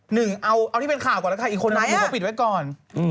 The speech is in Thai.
หนึ่งเอาที่เป็นข่าวก่อนแล้วใครอีกคนนั้นก็ปิดไว้ก่อน